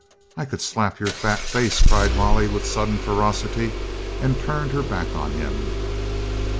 "I could slap your fat face," cried Molly with sudden ferocity, and turned her back on him.